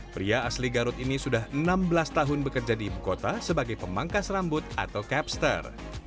pria asli garut ini sudah enam belas tahun bekerja di ibu kota sebagai pemangkas rambut atau capster